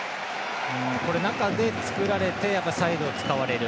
中で作られてサイドを使われる。